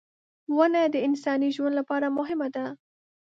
• ونه د انساني ژوند لپاره مهمه ده.